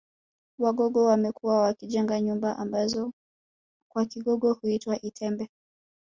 Wagogo wamekuwa wakijenga nyumba ambazo kwa Kigogo huitwa itembe